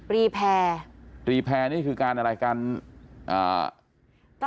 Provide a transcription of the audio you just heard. รีแพร่รีแพร่นี่คือการอะไรกันอ่า